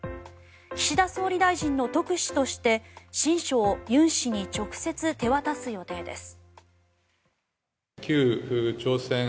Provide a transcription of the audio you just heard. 岸田総理大臣の特使として親書を尹氏に直接、手渡す予定です。